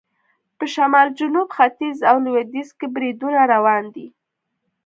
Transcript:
په شمال، جنوب، ختیځ او لویدیځ کې بریدونه روان دي.